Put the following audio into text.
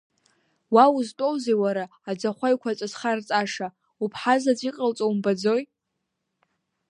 Уа узтәоузеи уара аӡахәа еиқәаҵәа зхарҵаша, уԥҳа заҵә иҟалҵо умбаӡои.